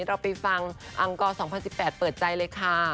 เราไปฟังอังกร๒๐๑๘เปิดใจเลยค่ะ